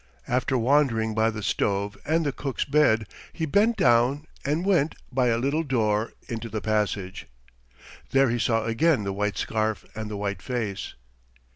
After wandering by the stove and the cook's bed he bent down and went by a little door into the passage. There he saw again the white scarf and the white face.